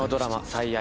「最愛」